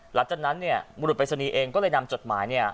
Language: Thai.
หลังจากนั้นเนี่ยบุรุษปริศนีย์เองก็เลยนำจดหมายเนี่ย